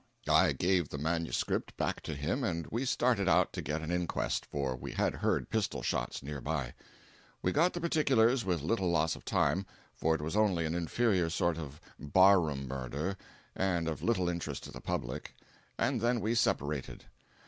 I gave the manuscript back to him and we started out to get an inquest, for we heard pistol shots near by. We got the particulars with little loss of time, for it was only an inferior sort of bar room murder, and of little interest to the public, and then we separated.